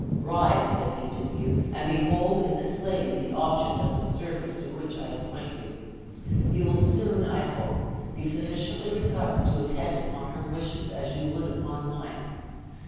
"Rise," said he to the youth, "and behold in this lady the object of the service to which I appoint you. You will soon, I hope, be sufficiently recovered to attend upon her wishes as you would upon mine.